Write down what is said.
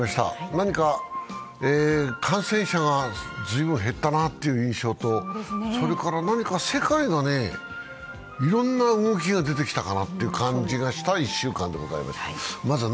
何か感染者が随分減ったなという印象とそれから何か世界がいろいろな動きが出てきたかなという感じがした１週間でした。